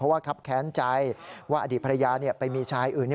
ว่าครับแค้นใจว่าอดีตภรรยาไปมีชายอื่น